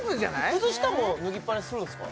靴下も脱ぎっぱなしするんすか？